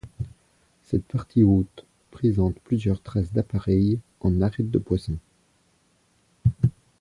Cette partie haute présente plusieurs traces d'appareil en arête-de-poisson.